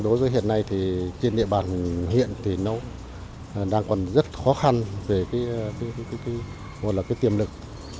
đối với hiện nay thì trên địa bàn hiện thì nó đang còn rất khó khăn về cái tiềm lực